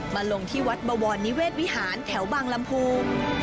มาลงที่วัดบวรนิเวศวิหารแถวบางลำพู